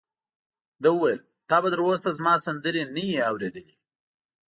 ده وویل: تا به تر اوسه زما سندرې نه وي اورېدلې؟